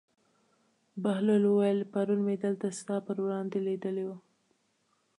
بهلول وویل: پرون مې دلته ستا پر وړاندې لیدلی و.